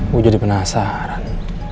gue jadi penasaran